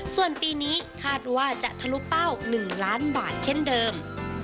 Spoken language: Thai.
ส่วนปีนี้คาดว่าจะทะลุเป้า๑ล้านบาทเช่นเดิม